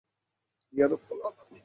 ইয়া রাব্বল আলামীন।